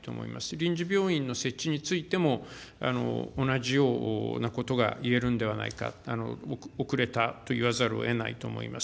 臨時病院の設置についても、同じようなことが言えるんではないか、遅れたと言わざるをえないと思います。